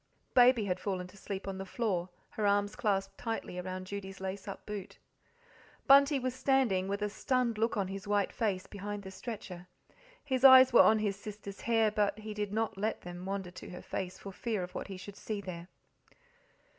Baby had fallen to sleep on the floor, her arms clasped tightly around Judy's lace up boot. Bunty was standing, with a stunned look on his white face, behind the stretcher. His eyes were on his sister's hair, but he did not dare to let there wander to her face, for fear of what he should see there.